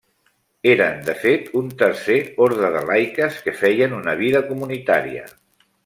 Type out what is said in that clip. Eren, de fet, un tercer orde de laiques que feien una vida comunitària.